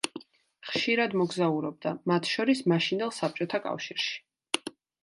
ხშირად მოგზაურობდა, მათ შორის, მაშინდელ საბჭოთა კავშირში.